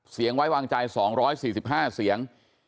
เสียงไว้วางใจ๒๔๕เสียง